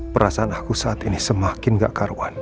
perasaan aku saat ini semakin gak karuan